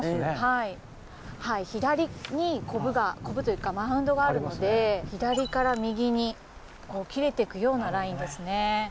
はい左にコブというかマウンドがあるので左から右に切れてくようなラインですね。